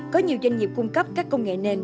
có nhiều doanh nghiệp cung cấp các công nghệ nền